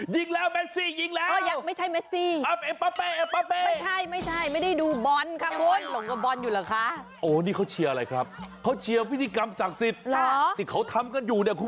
เชียร์มันเชียร์รักแต่เป็นการเชียร์ในพิธีกรรมศักดิ์สิทธิ์ครับ